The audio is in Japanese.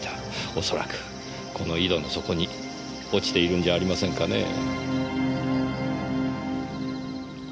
おそらくこの井戸の底に落ちているんじゃありませんかねぇ。